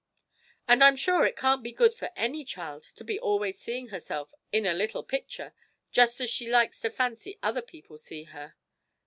And I'm sure it can't be good for any child to be always seeing herself in a little picture, just as she likes to fancy other people see her.